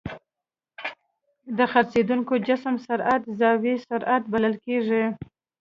د څرخېدونکي جسم سرعت زاويي سرعت بلل کېږي.